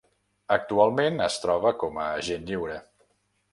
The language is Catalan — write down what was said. Actualment es troba com a agent lliure.